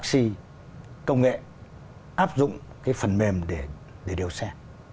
taxi công nghệ áp dụng cái phần mềm để điều xe